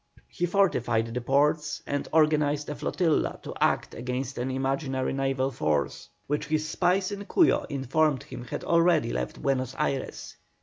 He fortified the ports and organised a flotilla to act against an imaginary naval force, which his spies in Cuyo informed him had already left Buenos Ayres.